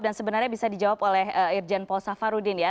dan sebenarnya bisa dijawab oleh irjen paul safarudin ya